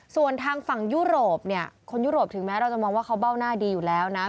ส่วนทางฝั่งยุโรปเนี่ยคนยุโรปถึงแม้เราจะมองว่าเขาเบ้าหน้าดีอยู่แล้วนะ